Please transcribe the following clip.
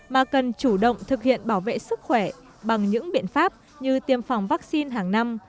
mà cần chủ động thực hiện bảo vệ sức khỏe bằng những biện pháp như tiêm phòng vaccine hàng năm